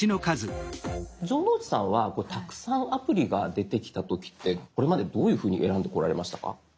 城之内さんはたくさんアプリが出てきた時ってこれまでどういうふうに選んでこられましたか？